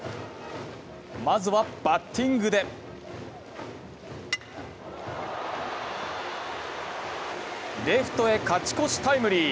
まずはバッティングでレフトへ勝ち越しタイムリー。